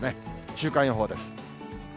週間予報です。